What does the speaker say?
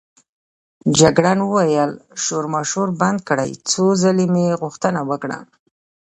جګړن وویل: شورماشور بند کړئ، څو ځلې مې غوښتنه وکړه.